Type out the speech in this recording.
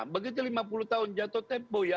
begitu lima puluh tahun jatuh tempo ya